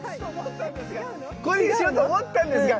これにしようと思ったんですが